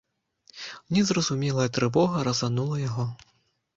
Незразумелая трывога разанула яго.